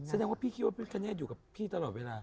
แสดงว่าพี่คิดว่าพิคเนธอยู่กับพี่ตลอดเวลา